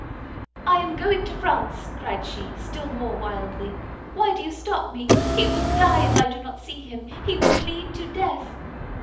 "I am going to France!" cried she, still more wildly, "why do you stop me? he will die if I do not see him, he will bleed to death!"